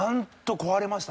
壊れました。